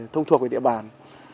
thông thuộc về địa bàn